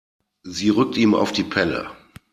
Sie rückt ihm auf die Pelle.